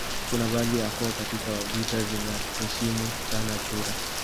Kuna baadhi ya koo katika Wajita zinaheshimu sana chura